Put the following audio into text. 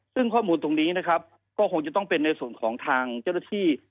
ซึ่งข้อมูลตรงนี้นะครับก็คงจะต้องเป็นในส่วนของทางเจ้าหน้าที่